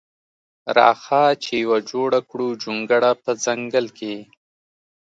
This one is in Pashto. راخه چی یوه جوړه کړو جونګړه په ځنګل کی.